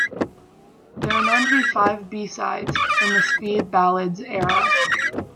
There are known to be five B-sides from the "Speed Ballads" era.